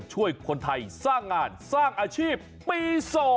ช่วยคนไทยสร้างงานสร้างอาชีพปี๒